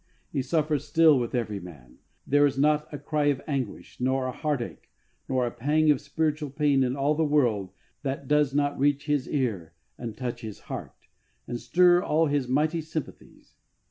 He suffers still with every man. There is not a cry of anguish, nor a heartache, nor a pang of spiritual pain in all the world that does not reach His ear and touch His heart, and stir all His mighty sympathies.